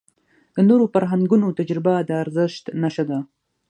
د نورو فرهنګونو تجربه د ارزښت نښه ده.